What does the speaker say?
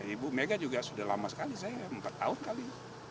ibu mega juga sudah lama sekali saya empat tahun kali